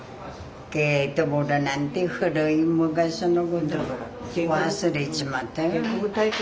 ゲートボールなんて古い昔のこと忘れちまったよ。